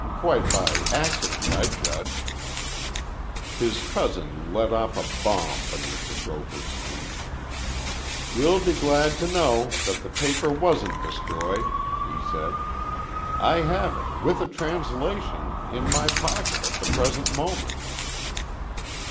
Quite by accident, I judge." His cousin let off a bomb beneath the broker's feet. "You'll be glad to know that the paper wasn't destroyed," he said. "I have it, with a translation, in my pocket at the present moment."